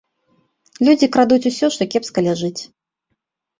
Людзі крадуць усё, што кепска ляжыць.